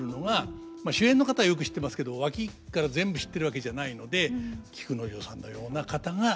まあ主演の方よく知ってますけど脇から全部知ってるわけじゃないので菊之丞さんのような方が。